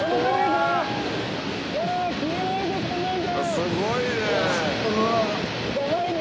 すごいね。